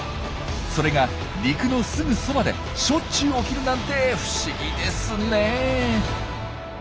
それが陸のすぐそばでしょっちゅう起きるなんて不思議ですねえ。